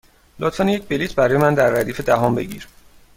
لطفا یک بلیط برای من در ردیف دهم بگیر.